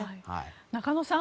中野さん